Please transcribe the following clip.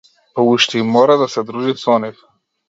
Па уште и мора да се дружи со нив.